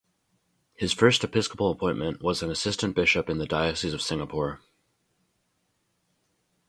His first episcopal appointment was as an assistant bishop in the Diocese of Singapore.